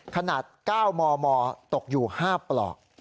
ขนาด๙มมตกอยู่๕ปลอก